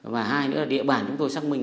và hai nữa là địa bản chúng tôi xác minh